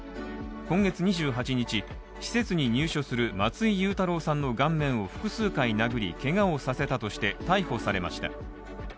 今月２８日、施設に入所する松井祐太朗さんの顔面を複数回殴りけがをさせたとして逮捕されました。